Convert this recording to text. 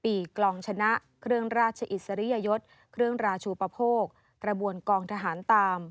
ปีกลองชนะเครื่องราชอิสริยยศเครื่องราชูปโภคกระบวนกองทหารตาม